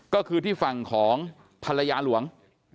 ก็คือที่ฝั่งของภรรยาหลวง